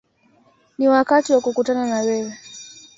Ni wakati wa kukutana na wewe”.